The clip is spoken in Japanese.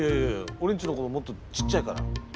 俺んちの子どももっとちっちゃいから。